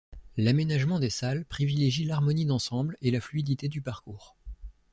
L'aménagement des salles privilégie l'harmonie d'ensemble et la fluidité du parcours.